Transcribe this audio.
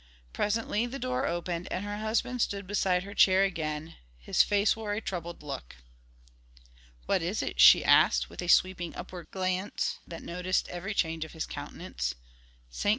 Presently the door opened, and her husband stood beside her chair again; his face wore a troubled look. "What is it?" she asked, with a sweeping upward glance that noted every change of his countenance. "St.